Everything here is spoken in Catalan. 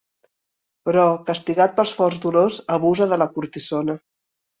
Però, castigat pels forts dolors, abusa de la cortisona.